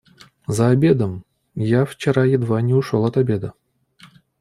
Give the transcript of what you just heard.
За обедом... я вчера едва не ушел от обеда.